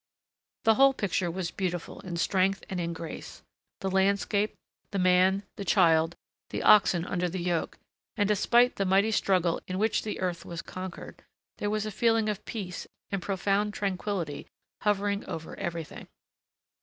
The whole picture was beautiful in strength and in grace: the landscape, the man, the child, the oxen under the yoke; and, despite the mighty struggle in which the earth was conquered, there was a feeling of peace and profound tranquillity hovering over everything.